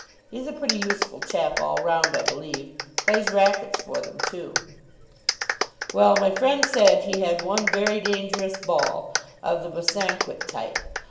He's a pretty useful chap all round, I believe. Plays racquets for them too." "Well, my friend said he had one very dangerous ball, of the Bosanquet type.